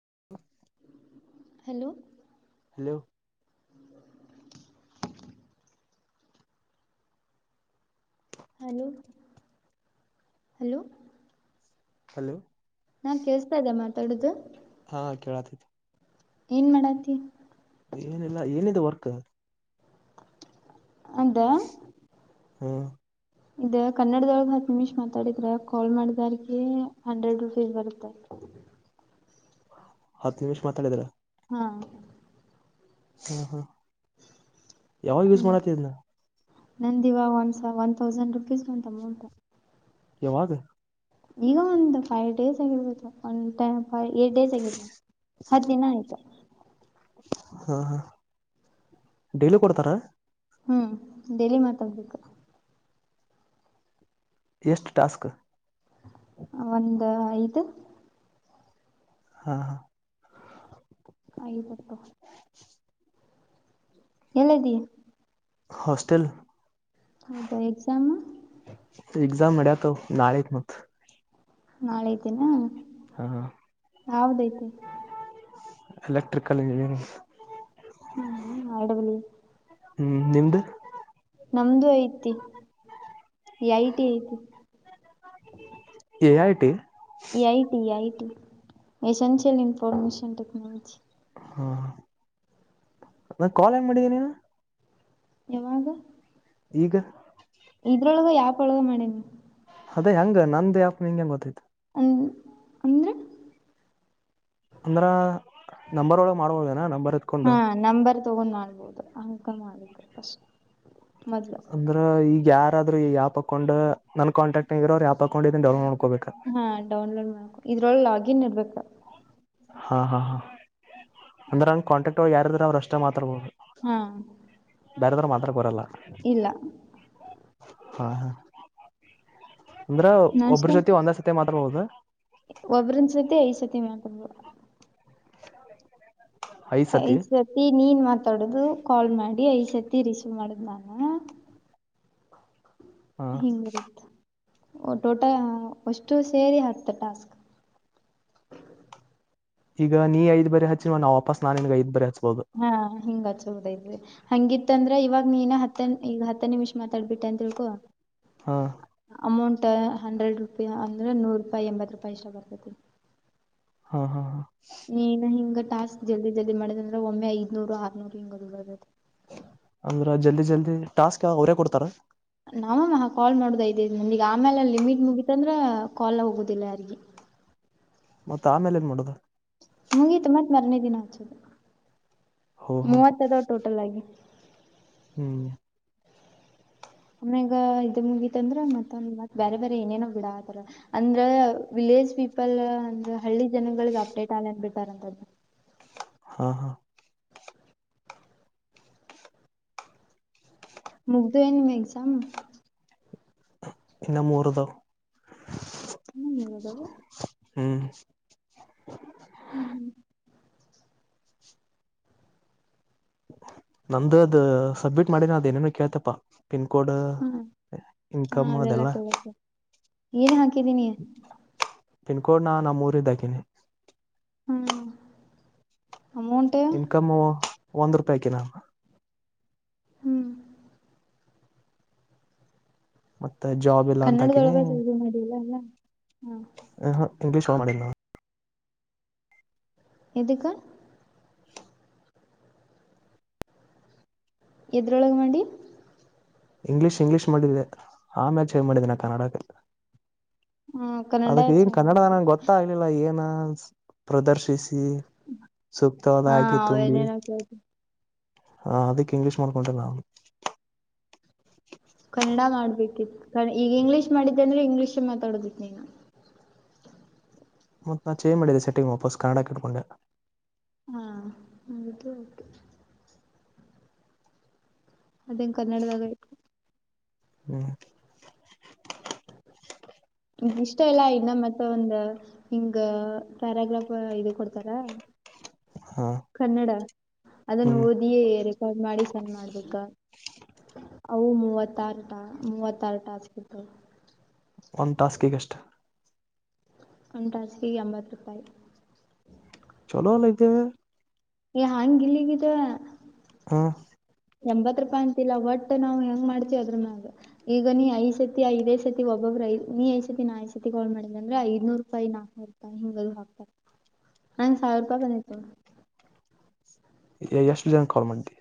[inaudible] Hello hello hello hello hello ನಾ ಕೇಳ್ಸ್ತಾ ಇದ್ದ ಮಾತಾಡುದು ಹಾ ಕೇಳತತಿ ಏನ್ ಮಾಡತಿ ಏನಿಲ್ಲ ಏನಿದೆ ವರ್ಕ್ ಅಂತ ಹ್ಮ ಇ ಕನ್ನಡದೊಳಗೆ ಹತ್ತು ನಿಮಿಷ್ ಮಾತಾಡಿದ್ರ ಕಾಲ್ ಮಾಡಿದಾರಿ ಹಂಡ್ರೆಡ್ ರುಪೀಸ್ ಬರುತ್ತೆ [inaudible] ಹತ್ತು ನಿಮಿಷ ಮಾತಾಡಿದ್ರ ಹಾ ಹಾ ಹಾ ಯಾವಾಗ ಯೂಸ್ ಮಾಡತ್ತಿದನ್ನ ನಂದಿವಾ ಒನ್ಸ ಒನ್ ತೌಸಂಡ್ ರುಪೀಸ್ ಒಂತ ಅಮೌಂಟ ಯಾವಾಗ ಈಗ ಒಂದ್ ಫೈವ್ ಡೇಸ್ ಆಗಿರ್ಬೇಕು ಒಂದ್ ಟೈಮ್ ಹ ಏಡ್ ಡೇಸ್ ಆಗಿದ ಹತ್ತು ದಿನ ಆಯ್ತಾ ಹಾ ಹಾ ಡೈಲಿ ಕೊಡ್ತಾರ ಹ್ಮ್ ಡೆಲಿ ಮಾತಾಡ್ಬೇಕು ಎಷ್ಟ ಟಾಸ್ಕ್ ಒಂದು ಐದು ಹಾ ಹಾ ಐವತ್ತು [inaudible] ಎಲ್ಲ ಇದ್ದೀ. ಹಾಸ್ಟಲ್ ಹೌದಾ ಎಕ್ಸಾಮೂ. ಎಕ್ಸಾಮ್ ನಡೆದ ನಾಳೆ ಮತ್ತು. ನಾಳ ಐತೆೇನಾ ಹಾ ಯಾವದಐತಿ. ಎಲೆಕ್ಟ್ರಿಕಲ್. [inaudible] ಹ್ಮ ಏನ್ ಮಾಡಲಿ. ಹ್ಮ್ ನಿಮ್ದು. ನಮ್ದು ಐತಿ ಈ ಐಟಿ ಐತಿ. A I T. IT IT essential information technology. ಹಾ ಕಾಲಂಗ ಮಾಡಿದೀ ನೀನು. ಯಾವಾಗ. ಈಗ. ಇದ್ರೊಳಗ ಆಪ್ ಒಳಗ ಮಾಡೇನು. ಅದೇ ಹೆಂಗ ನಂದ ಆಪ್ ನಿಂಗೆ ಗೊತ್ತಾಯ್ತು. ಹೂ ಅಂದ್ರೆ. ಅಂದ್ರ ನಂಬರ್ ಒಳಗ ಮಾಡ್ಬೋದನಾ ನಂಬರ್ ಹಾ ಎತ್ಕೊಂಡು. ನಂಬರ್ [unintelligible] ಅಂದ್ರ ಈಗ ಯಾರಾದ್ರೂ ಯಾಪ್ ಹಾಕೊಂಡ್ ನನ್ ಕಾಂಟ್ಯಾಕ್ಟ್ ಆಗಿರೋ ಅವ್ ಯಾಪ್ಾಕೊಂಡ್ ಇದ ಡೆವಲಕ್ ನೋ. ಹಾ ಡೌನ್ಲೋಡ್ ಮಾಡ್ಕು ಇದರೊಳಗ ಲಾಗಿನ್ ಇರ್ಬೇಕು. ಹಾ ಹಾ ಹಾ ಅಂದ್ರೆಂಗ ಕಾಂಟಾಕ್ಟ್ ಒಳಗ ಯಾರಿದ್ರ ಅವರು ಅಷ್ಟೇ ಮಾತಾಡಬೇಕು. ಹಾ ಬೇರೆದ್ರು ಮಾತ್ರ ಬರಲ್ಲ. ಇಲ್ಲ ಹಾ ಅಂದ್ರೆ ನಾಷ್ಟ ಒಬ್ರ ಜೊತೆ ಒಂದ ಸತಿ ಮಾತಾಡಬಹುದು. ಒಬ್ರನ್ ಜೊತೆ ಐದ್ ಸಲಿ ಮಾತಾಡಬಹುದು. ಐದು ಸತಿ ನೀನ್ ಮಾತಾಡೋದು ಕಾಲ್ ಮಾಡಿ ಐದು ಸತಿ ರಿಸೀವ್ ಮಾಡುದು. [inaudible] ಹಾ ಹಿಂಗ ಬರುತ್ತ. ಓ ಟೋಟ ಅಷ್ಟು ಸೇರಿ ಹತ್ತು ಟಾಸ್ಕ್. ಈಗ ನೀ ಐದು ಬರೆ ಹಚ್ಚಿ ನಾ ವಾಪ ನಾ ನಿನ್ಗೆ ಐದ್ ಬಾರಿ ಹಚ್ಚು. ಹಾ ಹಿಂಗ ಚೌದೈರಿ ಹಂಗಿತ್ತ ಅಂದ್ರೆ ಇವಾಗ ನೀನ್ ಹತ್ತ ಈಗ ಹತ್ತ ನಿಮಿಷ. ಮಾತಾಬಿಟ್ಟ ಅಂತ ತಿಳ್ಕೊ ಹಾ ಅಮೌಂಟ್. ಹಂಡ್ರೆಡ್ ರೂಪಾಯ ಅಂದ್ರೆ ನೂರ್ ರೂಪಾಯಿ ಎಂಬತ್ ರೂಪಾಯಿ ಇಷ್ಟ ಬರ್ತತಿ. ಹಾ ಹಾ ಹಾ. ನೀನ ಹಿಂಗ ಟಾಸ್ಕ್ ಜಲ್ದಿ ಜಲ್ದಿ ಮಾಡದ ಅಂದ್ರೆ ಒಮ್ಮೆ ಐದ್ನೂರು ಆರ್ನೂರು ಹಿಂಗ. [inaudible] ಅಂದ್ರ ಜಲ್ದಿ ಜಲ್ದಿ ಟಾಸ್ಕ್ ಅವರೇ ಕೊಡ್ತಾರ. ನಾವಮ್ಮ ಕಾಲ್ ಮಾಡೋುದ ಇದ್ದೇ ನನ್ಗೆ ಆಮೇಲೆ ಲಮಿಟ್ ಮುಗೀತಂದ್ರೆ ಕಾಲ್ ಹೋಗೋುದಿಲ್ಲ ಯಾರಿಗೆ. [unintelligible] ಮತ್ತೆ ಆಮೇಲೆ ಏನ್ ಮಾಡದು. ಮುಗೀತು ಮತ್ತ್ ಮರನೇ ದಿನ ಹಚ್ಚದು ಹೋ ಹೋ ಮೂವತ್ತ ಅದಾವ ಟೋಟಲ್ ಆಗಿ. ಹ್ಮ್ ಆಮ್ಯಾಗ ಇದ ಮುಗಿತ ಅಂದ್ರ ಮತ್ತೊಂದ ಮತ್ ಬೇರೆ ಬೇರೆ ಏನೇನೋ ಬಿಡ ಆತಾರ ಅಂದ್ರ. ಏಜ್ ಪೀಪಲ್ ಅಂದ್ರೆ ಹಳ್ಳಿ ಜನಗಳಿಗೆ ಅಪ್ಡೇಟ್ ಆ ಅನ್ ಬಿಟ್ಟಾರಂತದ್ದು. ಹ [inaudible] ಹಾ ಹಾ. ಮುಗ್ದು ಏನು ನಿಮ್ ಎಕ್ಸಾಮ್. ಇನ್ನ ಮೂರುದವ. ಇನ್ನು ಮುಗ್ದವು ಹ್ಮ್ ಹ್ಮ್ ಹ್ಮ್ [inaudible] ನಂದದ ಸಬ್ಮಿಟ್ ಮಾಡಿನ ಅದೇಏನೇನ ಕೇಳ್ತಪ್ಪಾ ಪಿನ್ಕೋಡ್ ಹಾ ಹಾ ಇನ್ಕಮ್ ಅದೆಲ್ಲ ಕೇಳತ್ತೆ ಏನ್ ಹಾಕಿದೀನಿ ಪಿನ್ ಕೋಡ್ ನ ನಮ್ಮೂರ ಇದ್ದಕನಿ ಹ್ಮ ಇನ್ಕಮು ಒಂದ್ ರೂಪಾಯಿ ಕಿನ ಹ್ಮ್ ಮತ್ತೆ ಜಾಬ್ ಎಲ್ಲಾ ಅಂತ ಹಾಕಿನಿ ಕನ್ನಡದೊಳಗ ಇದು ಮಾಡಿಲ್ಲ ಅಲ್ಲ ಹಾ ಇಂಗ್ಲಿ ಶೋ ಮಾಡಿದ್ದ ನಾವು ಎದುಕ್ಕ ಎದ್ರೊಳಗಾಮಂಡಿ ಇಂಗ್ಲಿಷ್ ಇಂಗ್ಲೀಷ್ ಮಾಡಿದ್ದೆ ಆ ಮ್ಯಾಚ್ ಹೇ ಮಾಡಿದ್ದ ನಾ ಕನ್ನಡಕ ಹಾ ಕನ್ನಡ ಅದಕ್ಕೆ ನ್ ಕನ್ನಡ ನಂಗೆ ಗೊತ್ತಾಗಲಿಲ್ಲ ಏನ ಪ್ರದರ್ಶಿಸಿ ಸುಕ್ತ ಹಲ್ಲ ಹಾ ಆಗ ತುಮ ಭ ಅವೇನೇನೋ ಕೇಳ್ತ ಹ ಅದಕ್ ಇಂಗ್ಲಿಷ್ ಮಕ್ಕೊಂಡಿಟೆಲ್ಲ ಕನ್ನಡ ಮಾಡ್ಬೇಕಿತ್ತು ಈಗ ಇಂಗ್ಲೀಷ್ ಮಾಡಿದ್ದೆ ಅಂದ್ರೆ ಇಂಗ್ಲೀಷ್ ಮಾತಾಡೋದಿತ್ತು ನೀನು ಮತ್ತತ್ ನಾ ಚೇಜ್ ಮಾಡಿದ್ದೆ ಸೆಟ್ಟಿಂಗ್ ವಾಪಸ್ ಕನ್ನಡಕ್ಕೆ ಇಟ್ಕೊಂಡೆ ಹಾ ಅದು ಅದಂಗ ಕನ್ನಡದಾಗ ಆಯ್ತು ಹ್ಮ ಇಷ್ಟ ಎಲ್ಲಾ ಇನ್ನ ಮತ್ತೆ ಒಂದ ಹಿಂಗ ಪ್ಯಾರಾಗ್ರಾಫ್ ಇ ಕೊಡ್ತಾರ ಹಾ ಕನ್ನಡ ಅದನ್ನು ಹ್ಮ್ ಓದಿಯೇ ರೆಕಾರ್ಡ್ ಮಾಡಿ ಸಣ ಮಾಡ್ಬೇಕ ಅವು ಮೂವತ್ತಾರಟ ಮೂವತ್ತಾರಟ ಹಸ್ಕತ್ತು ಒಂದು ಟಾಸ್ಕಗಷ್ಟ ಒಂಟಾಸೆಗೆ ಎಂಬತ್ತು ರೂಪಾಯಿ ಚಲೋಲ್ಲಿದ್ದವೆ ಹಾಂಗ ಇಲ್ಲಿಗಿದ ಹಾ ಎಂಬತ್ ರೂಪಾಯಿ ಅಂತಿಲ್ಲ ಒಟ್ ನಾವು ಹೆಂಗ ಮಾಡ್ತೀವಿ ಅದ್ರ ಮ್ಯಾಗ ಈಗ ನೀ ಐದ ಸತಿಐದೇ ಸತಿ ಒಬ್ಬಬ ನೀ ಐ ಸತಿ ನಾ ಐ ಸತಿಗೋಳ್ ಮಾಡ ಅಂದ್ರ ಐದನೂರು ರೂಪಾಯಿ ನಾಕೂರು ರೂಪಾಯಿ ಹಿಂಗ ಹಾಕ್ತಾರೆ ನಂಗ ಸಾವಿರ ರೂಪಾಯಿ ಬಂದತ ಎಷ್ಟು ಜನ ಕಾಲ್ ಮಾಡ್ತಿ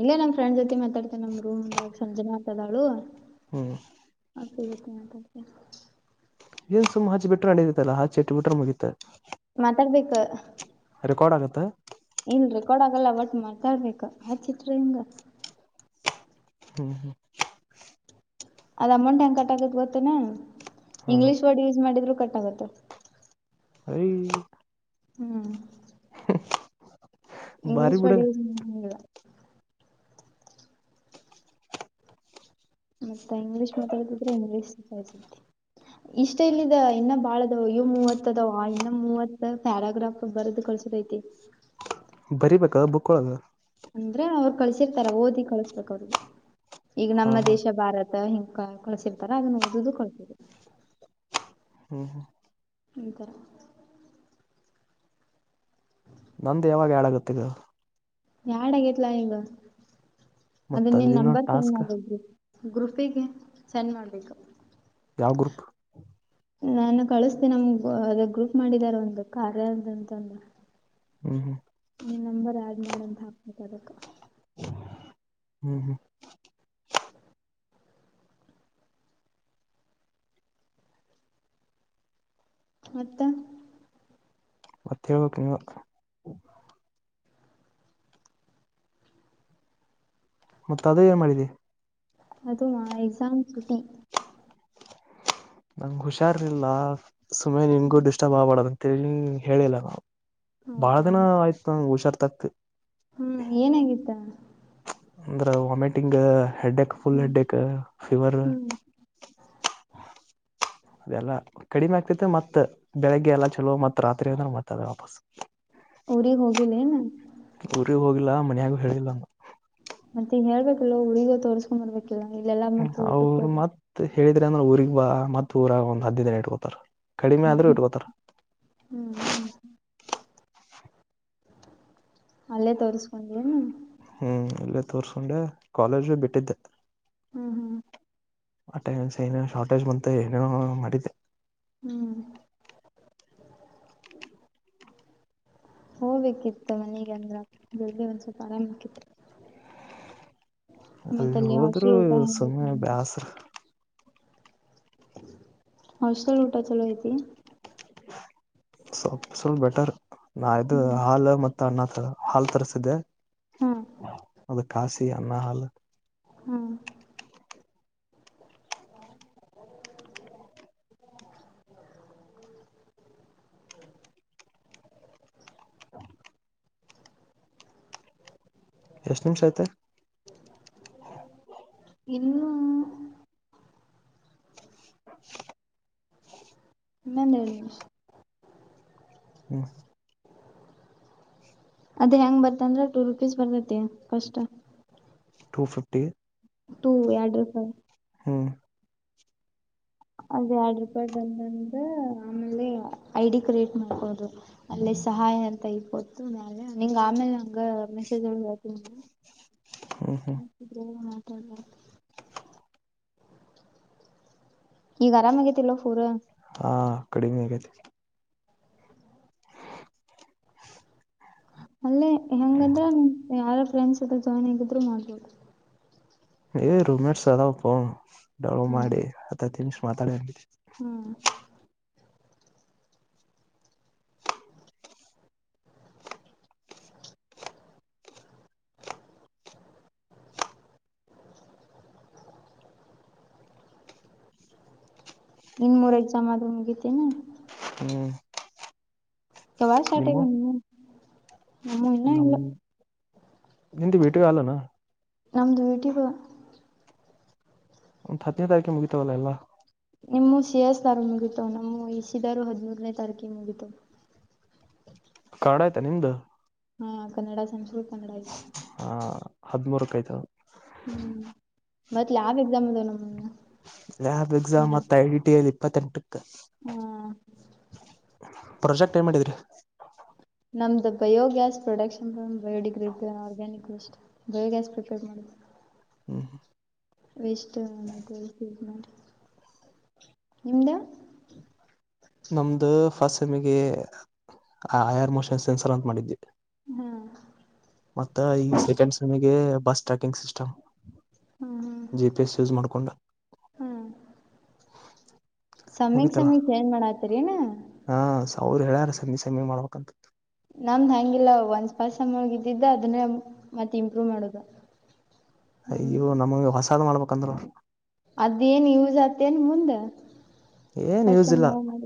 ಇಲ್ಲೇ ನಮ ಫ್ರೆಂಡ್ ಜೊತೆ ಮಾತಾಡ್ತೇನೆ ನಮ್ ರೂಮ್ಂದಾಗ ಸಂಜನೆ ಆತದಾಳು ಹ್ಮ್ ಹಸುಗತ ಮಾಡಂತ ಏನ್ ಸುಮ್ ಹಚ್ಚಿ ಬಿರೆ ನಡಿದತಲ್ಲ ಹಾಟ್ಟು ಬಿಟ್ರ ಮುಗಿತ ಮಾತಾಡ್ಬೇಕು ಕೋಡ್ ಆಗತ್ತ ಇಲ್ರರಿ ಕೊಡಕಲ್ಲ ಬಟ್ ಮಾಡ್ತಾರ್ಬೇಕ ಆಚಿತ ಹಿಂಗ ಹ್ಮ್ ಹಾ [inaudible] ಅದ್ ಅಮೌಂಟ್ ಹೆಂಗ್ ಕಟ್ ಆಗತ್ ಗೊತ್ತೇ ಹಾ ಇಂಗ್ಲಿಷ್ ವರ್ಡ್ ಯೂಸ್ ಮಾಡಿದ್ರು ಕಟ್ಟಾಗತ್ತು ರಿ [inaudible] ಹ್ಮ್ ಹ [inaudible] ಇಂಗ್ಲೀಷ್ ಪಡ [inaudible] ಮತ್ತ ಇಂಗ್ಲೀಷ್ ಮಾತಾಡತಿದ್ರೆ ಇಂಗ್ಲೀಷ್ ಕಸತಿ ಇಷ್ಟ ಇಲ್ಲಿದ ಇನ್ನ ಬಾಳ ಅದವ ಅಯೋ ಮೂವತ್ ಅದಾವ ಇನ್ನ ಮೂವತ್ ಪ್ಯಾರಾಗ್ರಾಫ್ ಬರದ್ ಕಸ ಬೈತಿ ಬರಿಬಕ ಬುಕ್ ಒಳಗ ಅಂದ್ರೆ ಅವ್ರು ಕಳ್ಸಿರ್ತಾರ ಓದಿ ಕಳಸ್ಬೇಕ ಅವ್ರಿಗೆ ಈಗ ಹಾ ನಮ್ಮ ಹಾ ದೇಶ ಭಾರತ ಹಿಂಗ ಕಳ್ಸಿರ್ತಾರ ಅದನ್ನು ಓದುದು ಕಳಸುದು ಹ್ಮ್ ಹ್ಮ್ ನಿಂತರ ನಂದ ಯಾವಾಗ ಯಾಡಾಗುತ್ತ ಇದು ಯಡ್ ಆಗೇತ್ಲಾ ಈಗ ಅದ್ ಮತ್ತ ನಿನ್ ಅಲ್ಲಿನೋ ನಂಬರ್ ಸೆಂಡ್ ಟಾಸ್ಕ್ ಮಾಡು ಗ್ರೂಪಿಗೆ ಸೆಂಡ್ ಮಾಡ್ಬೇಕು ಯಾವ ಗ್ರೂಪ್ ನಾನು ಕಳಸ್ತೇನಿ ನಮ್ ಅದ ಗ್ರೂಪ್ ಮಾಡಿದಾರ ಒಂದು ಕಾರ್ಯದ ಅಂತಂದು ಹ್ಮ್ ಹ್ಮ್ ನೀಮ ನಂಬರ್ ಆ್ಯಡ್ ಮಾಡಂತ ಹಾಕ್ಬೇಕ ಅದಕ್ಕ ಹ್ಮ್ ಹ್ಮ್ ಮತ್ತ ಮತ್ತೆ ಹೇಳಬಕ ನೀವ ಮತ್ತ ಅದೇ ಏನ್ ಮಾಡಿದಿ ಅದು ಮಾ ಎಕ್ಸಾಮ್ ಸುಟಿ ನಂಗ ಹುಷಾರಿಲ್ಲ ಸುಮ್ನೆ ನಿಂಗು ಡಿಸ್ಟರ್ಬ್ ಆಗ್ಬಾರಡದು ಅಂತ ಹೇಳಿಲ್ಲ ನಿನಗ ಬಾಳ ದಿನ ಆಯ್ತು ಹುಷಾರ ತಪ್ಪಿ ಹು ಏನಾಗಿತ್ತು ಅಂದ್ರ vomiting headache full headache fever ಹ್ಮ್ ಅದೆಲ್ಲಾ ಕಡಿಮೆ ಆಗ್ತತೆ ಮತ್ತ ಬೆಳಿಗ್ಗೆ ಎಲ್ಲ ಚಲೋ ಮತ್ತ ರಾತ್ರಿ ಅಂದ್ರೆ ಮತ್ತದ ವಾಪಸ್ ಊರಿಗೆ ಹೋಗಿಲ್ಲೆನ್ ಇಲ್ಲ ಮನ್ಯಾಗೂ ಹೇಳಿಲ್ಲ ಮತ್ತೆ ಹೇಳ್ಬೇಕಲ್ಲು ಉಳವಿಗೆ ಹೋಗಿ ತೋರ್ಸ್ಕೊಂಡ್ಂಬರ್ಬೇಕಿಲ್ಲಾ ಇಲ್ಲೆಲ್ಲಾ ಮತ್ತ ಊಟಕ್ಕ ಅದ ಹೇಳಿದ್ರೆ ಅಂದ್ರೆ ಊರಿಗೆ ಬಾ ಮತ್ತ ಊರಗ ಒಂದು ಹದಿನೈದ ದಿನ ಇಟ್ಕೊತಾರ ಕಡಿಮೆ ಆದ್ರೂ ಇಟ್ಕೋತಾರ ಹ್ಮ್ ಅಲ್ಲೇ ತೋರಿಸಕೊಂಡಿ ಏನ ಹ್ಮ್ ಅಲ್ಲೇ ತೋರ್ಸ್ಕೊಂಡೆ ಕಾಲೇಜು ಬಿಟ್ಟಿದ್ಯಾ. ಹ್ಮ್ ಹ್ಮ್ ಆ ಟೈಮ ಏನೇ ಶಾರ್ಟೇಜ್ ಬಂತ ಏನೇನೋ ಮಾಡಿದ್ದೆ. ಹ್ಮ್ ಹೋಗ್ಬೇಕಿತ್ತು ಮನೆಗೆ ಅಂದ್ರ ಜಲ್ದಿ ಒಂದ್ ಸ್ವಲ್ಪ ಆರಾಮ ಆಕಿತ್ತು ಮತ್ತ್ ಅಲ್ಲಿ ಅಲ್ಲೇ ಹೋದ್ರು ಹಾಸ್ಟೆಲ್ ಊಟ ಹೆಂಗ್ ಐತಿ ಸುಮ್ನೆ ಬ್ಯಾಸ್ರ. ಹಾಸ್ಟೆಲ್ ಊಟ ಚಲೋ ಐತಿ ಸಲ್ ಸ್ವಲ್ಪ ಬೆಟರ್ ನಾ ಇದು ಹ್ಮ್ ಹಾಲ್ ಮತ್ ಅನ್ನ ಹಾಲ್ ತರಿಸಿದ್ದೆ ಹಾ ತರಿಸ್ತಿತಿದೆ ಅದ ಕಾಸಿ ಅನ್ನ ಹಾಲ್ ಹ್ಮ್ ಎಷ್ಟ ನಿಮಿಷ ಆಯ್ತ ಇನ್ನುೂ ಇನ್ನೊಂದೆರಡು ನಿಮಿಷ ಹ್ಮ ಅದ ಹೆಂಗ ಬರ್ತಂದ್ರ ಟೂ ರುಪೀಸ್ ಬರ್ತತಿ first two fifty two address ಹ್ ಅದ್ ಎರಡ್ ರೂಪಾಯಿ ಬಂದಂದ ಆಮೇಲೆ ಐಡಿ ಕ್ರಿಯೇಟ್ ಮಾಡ್ಕೋದು ಅಲ್ಲೆ ಸಹಾಯ ಅಂತ ಇಗೊತ್ತು ಮ್ಯಾಲೆ ನಿಂಗ್ ಆಮೇಲೆ ಹಂಗ ಮೆಸೇಜ್ ಒಳಗೆ ಹೇಳ್ತನಿ ಹ್ಮ್ ಹ್ಮ್ [unintelligible] ಮಾತಡಬಾರದ ಈಗ ಆರಾಮ ಆಗೇತಿಲ್ವ ರ್ ಹಾ ಕಡಿಮೆಗತಿ ಅಲ್ಲೇ ಹೆಂಗದ್ರ ನಿಮ ಯಾರ ಫ್ರೆಂಡ್ಸ್ತ ಜಾಯ್ನ್ ಆಗಿದ್ರು ಮಾಡ್ಬದು ಯ ರೂಮ್ ಮೇಟ್ಸ್ ಅದಾವಪ್ಪ ಡವ ಹ್ಮ್ ಮಾಡಿ ಹತ್ತ ತಿಷ ಮಾತಾಡ ಹ್ಮ್ ಇನ್ ಮೂರ್ ಎಕ್ಸಾಮ್ ಆದದು ಮುಗಿತನಾ ಹ್ಮ್ ವ ಶಾರಟೇ ನಿಮ್ಮು ಬಣ ನಮ್ಮ ಇನ್ನ ಇಲ್ಲ ನಿಂತ ಬೇಟಿಗೆಲ್ಲಣ ನಮ್ದು ವಟಿ ಒಂ ಹತ್ತನೇ ತಾರೀಕು ಮುಗಿತವಲ್ಲ ಎಲ್ಲಾ ನಿಮ್ಮ ಸಿ ಎಸ್ ದಾರು ಮುಗಿತು ನಮ್ಮ ಇಸಿದಾರು ಹದಿಮೂರನೇ ತಾರೀಕಿ ಮುಗಿತು ಕಾಡ ಆಯ್ತಾ ನಿಮ್ದು ಹಾ ಕನ್ನಡ ಸಂಸ್ಕತ ಕನ್ನಡ ಐತಿ ಹದಿಮೂರಕ ಆಯ್ತು ಮತ್ತ ಲ ಆಬ್ ಎಕ್ಮಮ್ದ ನನ್ನ ಲ್ಯಾಬ್ ಎಕ್ಸಾಮ್ ಮತ್ತ ಐಡಿ ಟಿಯಲ್ಲಿ ಇಪ್ಪತ್ತೆಂಟು ಹ್ಮ್ ಪ್ರಾಜೆಕ್ಟ್ ಏಮ ಮಾಡಿದ್ರಿ ನಮ್ದು ಬಯೋಗ್ಯಾಸ್ ಪ್ರೊಡಕ್ಷನ್ ಬಯೋಡಿಗ್ರೇಡ್ ಆರ್ಗ್ಯಾನಿಕ್ ಅ ಬಯೋಗ್ಯಾಸ್ ಪ್ರಿಪೇರ್ ಮಾಡ ಹ್ಮ ಹ ವೇಸ್ಟ್ ಮಟರಿಯಲ್ಸ್ ಯೂಸ್ ಮಾಡಿ ನಿಮ್ದಾ ನಮ್ದು ಫಸ್ಟ್ ಸೆಮಿಗೆ ಹಯರ್ ಮೋಷನ್ ಸೆನ್ಸರ್ ಅಂತ ಮಾಡಿದ್ವಿ ಹ್ಮ್ ಮತ್ತ ಈ ಸೆಕೆಂಡ್ ಸಮಗೆ ಬಸ್ ಟ್ರ್ಯಾಕಿಂಗ್ ಸಿಸ್ಟಮ್ ಹಾಂ ಹಾಂ ಜಿ ಪಿ ಎಸ್ ಯೂಸ್ ಮಾಡ್ಕೊಂಡ ಹಾಂ ಸಮಯಕ್ ಸಮಯಕ್ ಚಏಜ್ ಮಾಡತರಿ ನಾ ಹಾ ಅವ್ರರು ಹೇಳ್ಯಾರ ಸಿ ಸಿ ಮಾಡ್ಬೇಕಂತ ನಮ್ದ್ ಹಂಗಿಲ್ಲ ಒನ್ಸ್ ಪಸ್ಗಿದ್ದಿದ್ದ ಅದನ್ನೇ ಮತ್ತೆ ಇಂಪ್ರೂವ್ ಮಾಡೋದು ಹ್ಮ್ ಅಯ್ಯೋ ನಮ್ಗೆ ಹೊಸಾದ್ ಮಾಡ್ಬೇಕಂದ್ರು ಅದೇನ್ ಯೂಸ್ ಆತೇನ್ ಮುಂದಸ ಅವ್ರು ಏನ್ ಯೂಸ್ ಇಲ್ಲ ಮಾಡ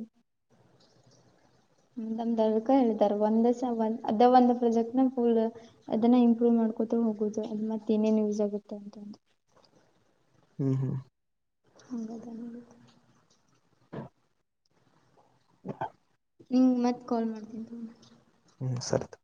ಮ ದರ್ಕ ಹೇಳಾರ್ ಒಂದಸ ಒಂದ ಅದ ಒಂದ್ ಪ್ರೊಜೆಕ್ಟ್ ನ ಫುಲ್ ಅನ್ನ ಇಂಪ್ರೂವ್ ಮಾಡ ಕತ ಹೋಗುದು ಅದು ಮತ್ತೆ ಏನೇನ್ ಯೂಸ್ ಆಗುತ್ತೆ ಅಂತಂದು ಹ್ಮ್ ಹ್ಮ್ ಹಂಗದ [unintelligible] ಹ ನಿಂ ಮತ್ತೆ ಕಾಲ್ ಮಾಡ್ತೀನಿ ಹ್ಞ ಸರ್ತ್